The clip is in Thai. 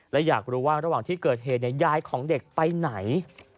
และอยากรู้ว่าระหว่างที่เกิดเหตุยายของเด็กไปไหน